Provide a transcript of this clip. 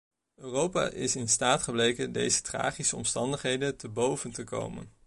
Europa is in staat gebleken deze tragische omstandigheden te boven te komen.